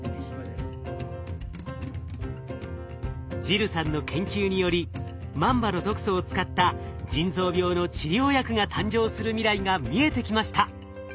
ジルさんの研究によりマンバの毒素を使った腎臓病の治療薬が誕生する未来が見えてきました。